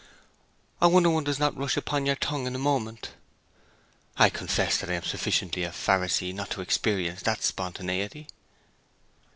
'I wonder one does not rush upon your tongue in a moment!' 'I confess that I am sufficiently a Pharisee not to experience that spontaneity.'